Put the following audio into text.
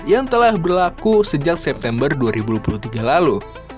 yang telah berlaku sejak september dua ribu dua puluh tiga lalu